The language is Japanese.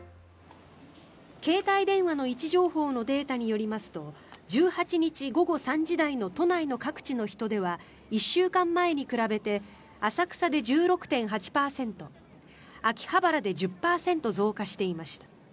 携帯電話の位置情報のデータによりますと１８日午後３時台の都内の各地の人出は１週間前に比べて浅草で１６．８％秋葉原で１０％増加していました。